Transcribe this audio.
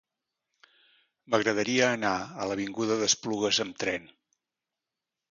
M'agradaria anar a l'avinguda d'Esplugues amb tren.